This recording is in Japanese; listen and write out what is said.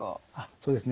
そうですね。